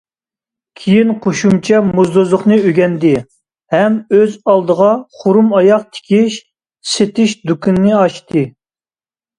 كېيىن قوشۇمچە موزدۇزلۇقنى ئۆگەندى ھەم ئۆز ئالدىغا خۇرۇم ئاياغ تىكىش، سېتىش دۇكىنى ئاچتى.